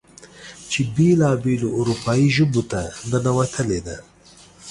چې بېلا بېلو اروپايې ژبو ته ننوتلې ده.